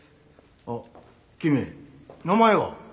あっ君名前は？